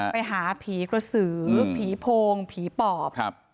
ไปหาผีกระสือผีโพงผีปอบ